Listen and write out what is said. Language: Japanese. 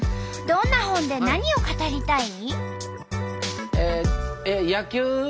どんな本で何を語りたい？